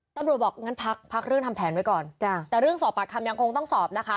บอกงั้นพักพักเรื่องทำแผนไว้ก่อนจ้ะแต่เรื่องสอบปากคำยังคงต้องสอบนะคะ